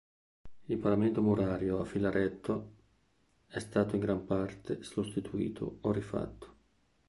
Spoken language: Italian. Il paramento murario a filaretto è stato in gran parte sostituito o rifatto.